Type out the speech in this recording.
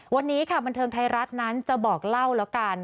วันนี้ค่ะบันเทิงไทยรัฐนั้นจะบอกเล่าแล้วกัน